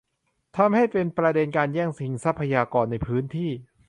ทำให้เป็นประเด็นการแย่งชิงทรัพยากรในพื้นที่